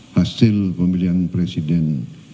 hasil pemilihan presiden dua ribu dua puluh empat